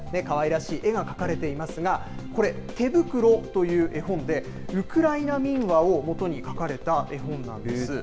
かわいらしい絵が描かれていますが、これ、てぶくろという絵本で、ウクライナ民話をもとに描かれた絵本なんです。